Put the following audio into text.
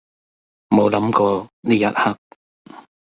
冇諗過呢一刻